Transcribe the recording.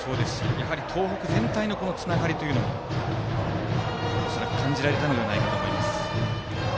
やはり東北全体のつながりも恐らく感じられたのではないかと思います。